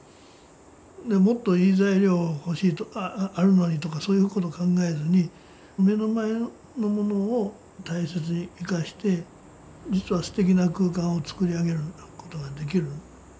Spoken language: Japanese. もっといい材料欲しいとかあるのにとかそういうこと考えずに目の前のものを大切に生かして実はすてきな空間をつくり上げることができる。